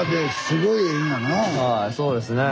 はいそうですねえ